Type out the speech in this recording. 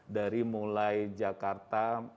dari mulai jakarta